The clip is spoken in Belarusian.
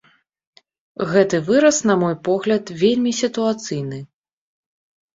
Гэты выраз, на мой погляд, вельмі сітуацыйны.